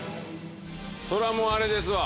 そりゃもうあれですわ。